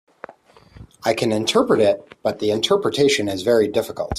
I can interpret it, but the interpretation is very difficult.